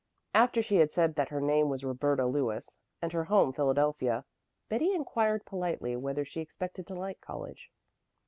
After she had said that her name was Roberta Lewis and her home Philadelphia, Betty inquired politely whether she expected to like college.